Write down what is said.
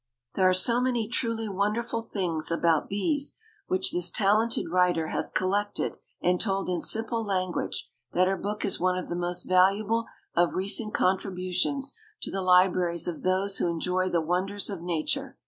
There are so many truly wonderful things about bees which this talented writer has collected and told in simple language that her book is one of the most valuable of recent contributions to the libraries of those who enjoy the wonders of nature.